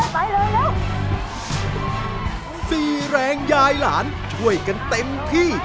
ไปเลยเร็วสี่แรงยายหลานช่วยกันเต็มที่